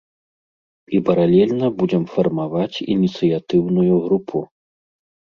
І паралельна будзем фармаваць ініцыятыўную групу.